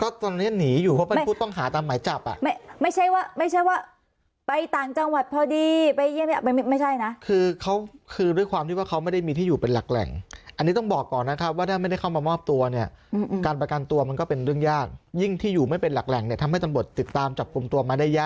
ตอนนี้หนีอยู่เพราะเป็นผู้ต้องหาตามหมายจับอ่ะไม่ใช่ว่าไม่ใช่ว่าไปต่างจังหวัดพอดีไปเยี่ยมไม่ใช่นะคือเขาคือด้วยความที่ว่าเขาไม่ได้มีที่อยู่เป็นหลักแหล่งอันนี้ต้องบอกก่อนนะครับว่าถ้าไม่ได้เข้ามามอบตัวเนี่ยการประกันตัวมันก็เป็นเรื่องยากยิ่งที่อยู่ไม่เป็นหลักแหล่งเนี่ยทำให้ตำรวจติดตามจับกลุ่มตัวมาได้ยาก